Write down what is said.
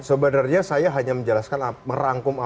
sebenarnya saya hanya menjelaskan merangkum